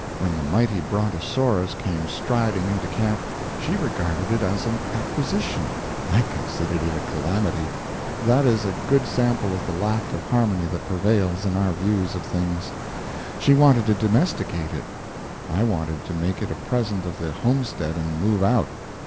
When the mighty brontosaurus came striding into camp, she regarded it as an acquisition, I considered it a calamity; that is a good sample of the lack of harmony that prevails in our views of things. She wanted to domesticate it, I wanted to make it a present of the homestead and move out.